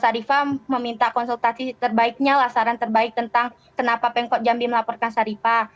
syarifah meminta konsultasi terbaiknya lasaran terbaik tentang kenapa pmkop jambi melaporkan syarifah